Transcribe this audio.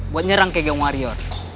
buat nyerang kayak game wario